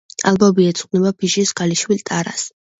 ალბომი ეძღვნება ფიშის ქალიშვილ ტარას.